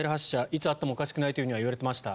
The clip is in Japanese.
いつあってもおかしくないとは言われていました。